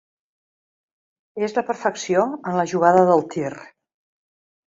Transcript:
És la perfecció en la jugada del tir.